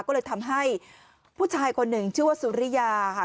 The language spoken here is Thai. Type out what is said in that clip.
ก็เลยทำให้ผู้ชายคนหนึ่งชื่อว่าสุริยาค่ะ